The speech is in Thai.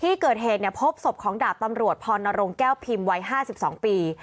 ที่เกิดเหตุพบศพของดาบตำรวจพรณรงแก้วพิมพ์วัย๕๒ปี